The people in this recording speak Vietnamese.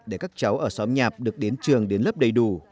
để các cháu ở xóm nhạp được đến trường đến lớp đầy đủ